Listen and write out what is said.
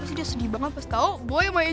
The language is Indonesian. pasti dia sedih banget pas tau boy sama angel